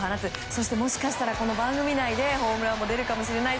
そして、もしかしたらこの番組内でホームランも出るかもしれない。